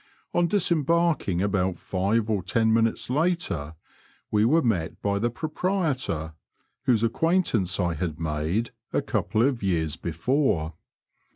On disembarking about five or ten minutes later, we were met by iihe proprietor, whose acquaintance I had made a couple q^ years before.